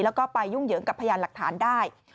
แล้วก็ไปยุ่งเหยิงกับพยานหลักฐานได้